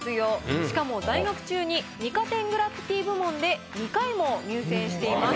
しかも在学中に二科展グラフィティー部門で２回も入選しています。